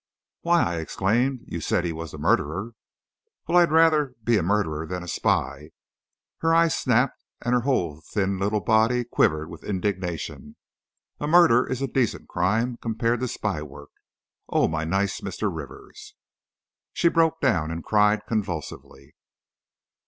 "Why!" I exclaimed; "you said he was the murderer!" "Well, I'd rather be a murderer than a spy!" Her eyes snapped and her whole thin little body quivered with indignation. "A murder is a decent crime compared to spy work! Oh, my nice Mr. Rivers!" She broke down and cried convulsively.